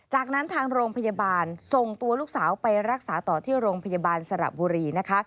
จากนั้นทางโรงพยาบาลส่งตัวลูกสาวไปรักษาต่อที่โรงพยาบาลสระบุรีนะคะ